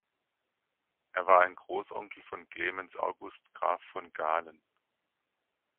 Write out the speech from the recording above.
Er war ein Großonkel von Clemens August Graf von Galen.